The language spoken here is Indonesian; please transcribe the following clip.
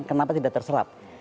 kenapa tidak terserap